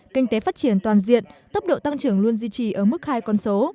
kinh tế phát triển toàn diện tốc độ tăng trưởng luôn duy trì ở mức hai con số